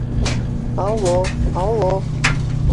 Алло, алло!